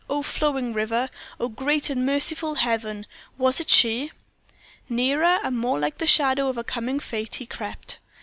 Oh, flowing river! Oh, great and merciful Heaven! was it she? Nearer, and more like the shadow of a coming fate, he crept.